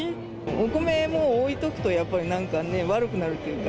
お米も置いとくと、やっぱりなんかね、悪くなるっていうか。